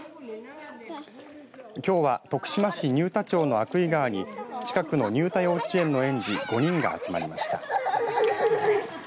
きょうは徳島市入田町の鮎喰川に近くの入田幼稚園の園児５人が集まりました。